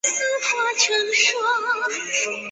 有子张缙。